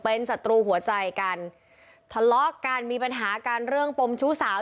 เป็นศัตรูหัวใจกันทะเลาะกันมีปัญหากันเรื่องปมชู้สาว